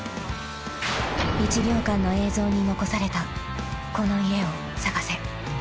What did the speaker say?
［１秒間の映像に残されたこの家を捜せ］